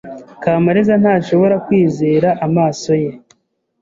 Kamariza ntashobora kwizera amaso ye.